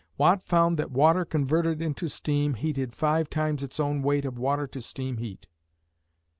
Watt found that water converted into steam heated five times its own weight of water to steam heat.